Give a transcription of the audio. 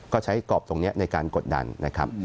ก็ใช้กรอบตรงนี้ในการกดดันนะครับ